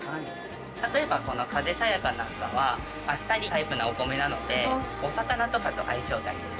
例えばこの「風さやか」なんかはあっさりタイプなお米なのでお魚とかと相性がいい。